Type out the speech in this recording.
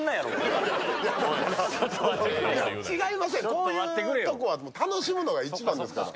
こういうところは楽しむのが一番ですから。